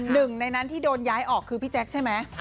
หนึ่งในนั้นที่โดนย้ายออกคือพี่แจ๊คใช่ไหม